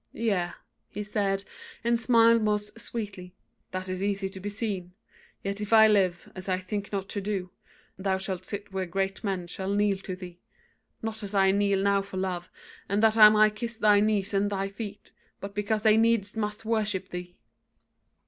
'Yea,' he said, and smiled most sweetly, 'that is easy to be seen: yet if I live, as I think not to do, thou shalt sit where great men shall kneel to thee; not as I kneel now for love, and that I may kiss thy knees and thy feet, but because they needs must worship thee.'